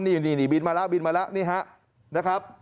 นี่บินมาแล้วนี่ครับ